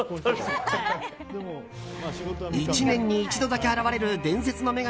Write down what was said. １年に一度だけ現れる伝説の女神